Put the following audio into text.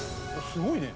すごいね。